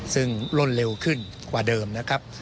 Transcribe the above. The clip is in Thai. ซึ่งล่นเร็วขึ้นกว่าเดิมนะครับ